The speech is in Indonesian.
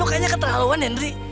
lo kayaknya keterlaluan henry